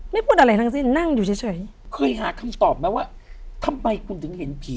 พูดอะไรทั้งสิ้นนั่งอยู่เฉยเคยหาคำตอบไหมว่าทำไมคุณถึงเห็นผี